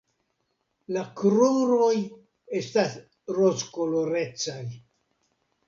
La kruroj estas rozkolorecaj.